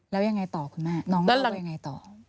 แล้วยังไงต่อคุณแม่น้องเล่ายังไงต่อ